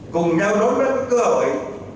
cùng nhau đón bắt cơ hội